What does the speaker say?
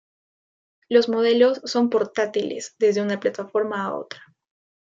Los modelos son portátiles desde una plataforma a otra.